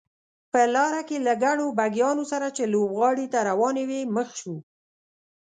په لاره کې له ګڼو بګیانو سره چې لوبغالي ته روانې وې مخ شوو.